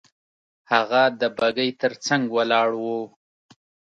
هغه د بګۍ تر څنګ ولاړ وو.